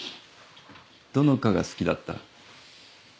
どの科が好きだった？